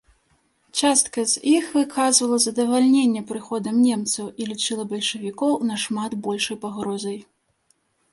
Частка з іх выказвала задавальненне прыходам немцаў і лічыла бальшавікоў нашмат большай пагрозай.